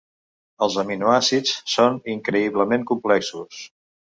Els aminoàcids són increïblement complexos.